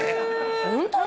ホントに？